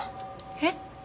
えっ？